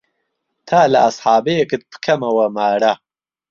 تا لە ئەسحابەیەکت پکەمەوە مارە